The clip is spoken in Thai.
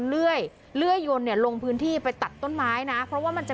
มีประชาชนในพื้นที่เขาถ่ายคลิปเอาไว้ได้ค่ะ